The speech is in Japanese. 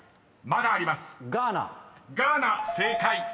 まだあります？